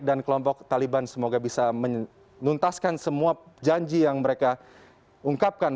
kelompok taliban semoga bisa menuntaskan semua janji yang mereka ungkapkan